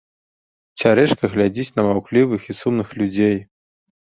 Цярэшка глядзіць на маўклівых і сумных людзей.